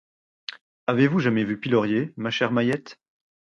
Avez-vous jamais vu pilorier, ma chère Mahiette?